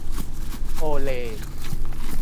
โอเลย์